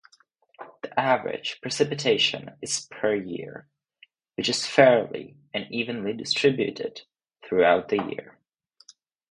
The average precipitation is per year, which is fairly evenly distributed through the year.